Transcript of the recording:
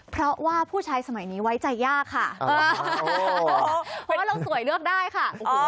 เพราะว่าผู้ชายสมัยนี้ไว้ใจยากค่ะ